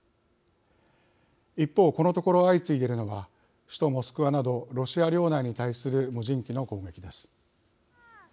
一方、このところ相次いでいるのが首都モスクワなどロシア領内に対する無人機の攻撃です。